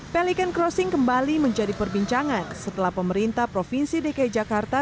pelikan crossing kembali menjadi perbincangan setelah pemerintah provinsi dki jakarta